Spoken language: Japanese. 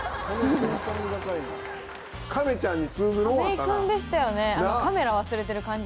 亀井君でしたよね。